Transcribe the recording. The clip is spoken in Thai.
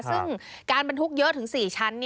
ซึ่งการบรรทุกเยอะถึง๔ชั้น